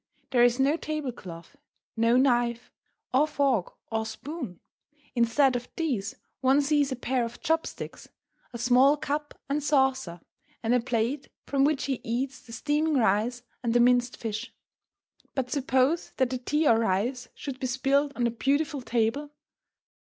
There is no table cloth, no knife, or fork, or spoon; instead of these one sees a pair of chop sticks, a small cup and saucer, and a plate from which he eats the steaming rice and the minced fish. But suppose that the tea or rice should be spilled on the beautiful table?